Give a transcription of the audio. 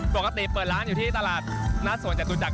ปกติเปิดร้านอยู่ที่ตลาดหน้าสวนจตุจักร